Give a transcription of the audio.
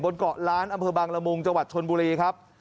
บนเกาะร้านอบางละมุงจฯนบุรีครับ